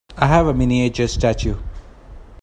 I have a miniature statue.